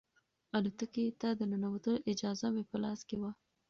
الوتکې ته د ننوتلو اجازه مې په لاس کې وه.